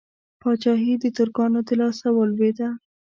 پاچهي د ترکانو د لاسه ولوېده.